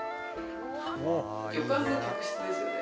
旅館の客室ですよね？